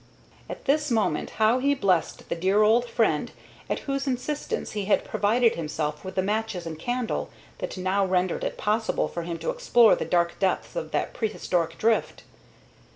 At this moment how he blessed the dear old friend at whose insistence he had provided himself with the matches and candle that now rendered it possible for him to explore the dark depths of that prehistoric drift!